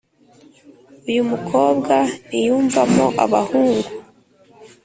uyumukobwa ntiyumvamo abahungu